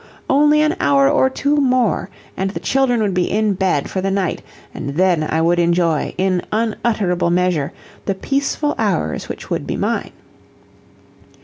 Only an hour or two more, and the children would be in bed for the night, and then I would enjoy, in unutterable measure, the peaceful hours which would be mine.